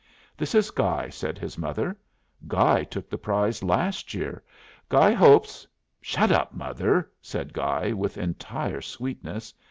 "This is Guy," said his mother. "Guy took the prize last year. Guy hopes " "Shut up, mother," said Guy, with entire sweetness.